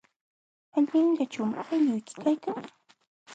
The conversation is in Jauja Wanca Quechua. ¿Allinllachum aylluyki kaykan?